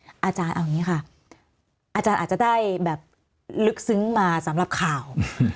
คุณอาจารย์อาจารย์อาจจะได้รึกซึ้งมาสำหรับข่าว